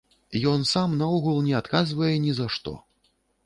Ён сам наогул не адказвае ні за што.